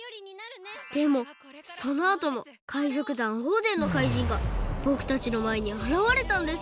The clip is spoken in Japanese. でもそのあとも海賊団オーデンのかいじんがぼくたちのまえにあらわれたんです。